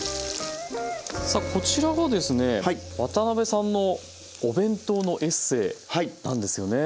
さあこちらがですね渡辺さんのお弁当のエッセイなんですよね。